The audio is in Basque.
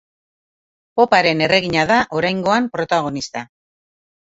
Poparen erregina da oraingoan protagonista.